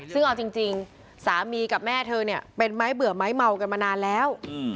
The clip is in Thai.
ซึ่งเอาจริงสามีกับแม่เธอเนี่ยเป็นไม้เบื่อไม้เมากันมานานแล้ว